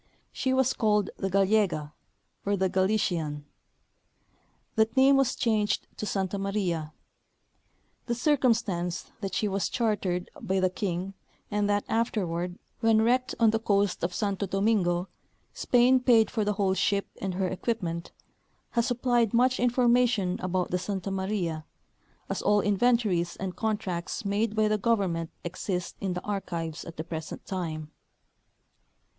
She was called the Gallega, or the GaUtian. That name was changed to Santa Maria. The circumstance that she Avas chartered by the king, and that afterward, when wrecked on the coast of Santo Domingo, Spain paid for the whole ship and her equipment, has supplied much information about the Santa Maria, as all inventories and contracts made by the government exist in the archives at the present time.